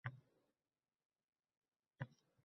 Bilmadim...